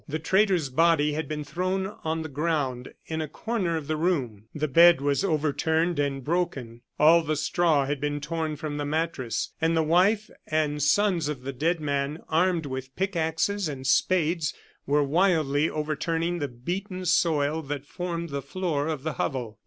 The traitor's body had been thrown on the ground, in a corner of the room, the bed was overturned and broken, all the straw had been torn from the mattress, and the wife and sons of the dead man, armed with pickaxes and spades, were wildly overturning the beaten soil that formed the floor of the hovel.